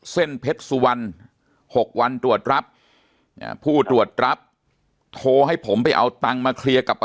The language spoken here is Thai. เส้นเพชรสุวรรณ๖วันตรวจรับผู้ตรวจรับโทรให้ผมไปเอาตังค์มาเคลียร์กับป้า